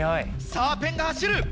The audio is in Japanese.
さぁペンが走る！